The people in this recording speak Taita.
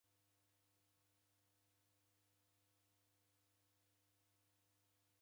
Mburi rose reoma marangi